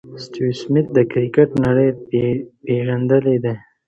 سټیو سميټ د کرکټ نړۍ پېژندلی دئ.